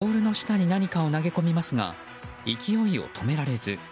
途中、作業員が追いかけロールの下に何かを投げ込みますが勢いを止められず。